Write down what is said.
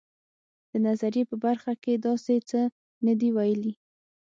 د نظریې په برخه کې داسې څه نه دي ویلي.